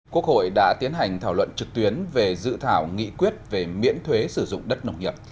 quốc hội đã tiến hành thảo luận trực tuyến về dự thảo nghị quyết về miễn thuế sử dụng đất nông nghiệp